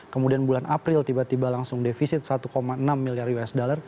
kemudian bulan april tiba tiba langsung defisit satu enam miliar usd